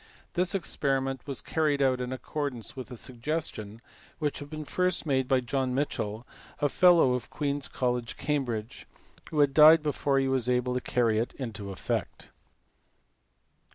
This experiment was carried out in accordance with a suggestion which had been first made by John Michell, a fellow of Queens College, Cambridge, who had died before he was able to carry it into effect.